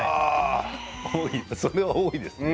それは多いですね。